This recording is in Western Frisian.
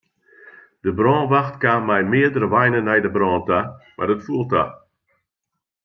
De brânwacht kaam mei meardere weinen nei de brân ta, mar it foel ta.